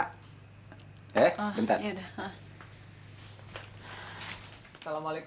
kenapa tetap tidak t politik